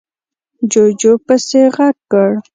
جُوجُو پسې غږ کړ: